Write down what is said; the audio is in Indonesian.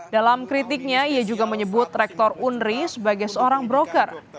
dalam kritiknya ia juga menyebut rektor unri sebagai seorang broker